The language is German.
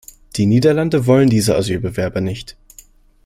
Die Niederlande wollen diese Asylbewerber nicht.